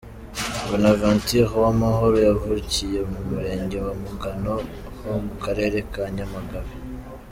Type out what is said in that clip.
Bonaventure Uwamahoro yavukiye mu Murenge wa Mugano ho mu Karere ka Nyamagabe.